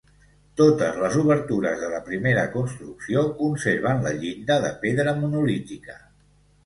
Totes les obertures de la primera construcció conserven la llinda de pedra monolítica.